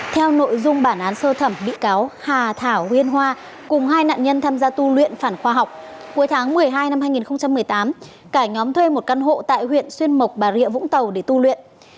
theo nội dung bản án sơ thẩm bị cáo hà thảo huyên hoa cùng hai nạn nhân tham gia tu luyện phản khoa học cuối tháng một mươi hai năm hai nghìn một mươi tám cả nhóm thuê một căn hộ tại huyện xuyên mộc bà rịa vũng tàu để tu luyện